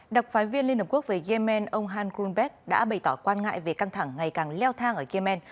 đặc phái viên liên hợp quốc về yemen ông han grunberg đã bày tỏ quan ngại về căng thẳng ngày càng leo thang ở yemen